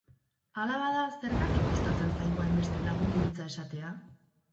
Hala bada, zergatik kostatzen zaigu hainbeste lagundu hitza esatea?